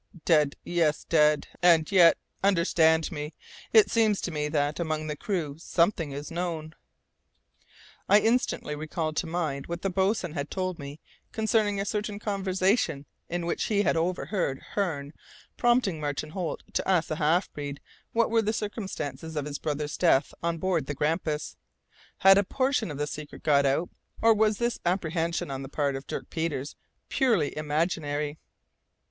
"Dead, yes, dead! And yet, understand me, it seems to me that, among the crew, something is known." I instantly recalled to mind what the boatswain had told me concerning a certain conversation in which he had overheard Hearne prompting Martin Holt to ask the half breed what were the circumstances of his brother's death on board the Grampus. Had a portion of the secret got out, or was this apprehension on the part of Dirk Peters purely imaginary?